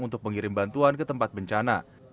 untuk mengirim bantuan ke tempat bencana